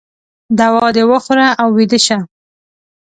دوا د وخوره او ویده شه